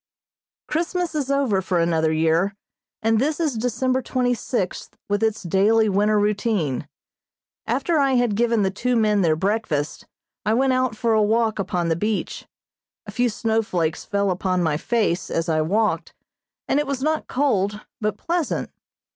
Christmas is over for another year, and this is December twenty sixth with its daily winter routine. After I had given the two men their breakfast, I went out for a walk upon the beach. A few snowflakes fell upon my face as I walked, and it was not cold but pleasant.